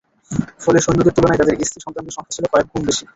ফলে সৈন্যদের তুলনায় তাদের স্ত্রী সন্তানদের সংখ্যা ছিল কয়েকগুণ বেশি।